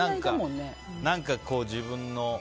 何か、自分の。